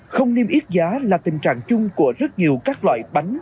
không niêm yết giá là tình trạng chung của rất nhiều các loại bánh